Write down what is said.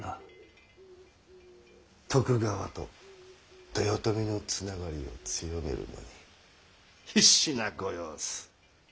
徳川と豊臣のつながりを強めるのに必死なご様子。